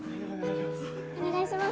お願いします